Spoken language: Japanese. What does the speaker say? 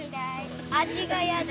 味がやだ。